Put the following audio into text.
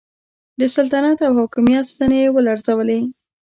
د سلطنت او حاکمیت ستنې یې ولړزولې.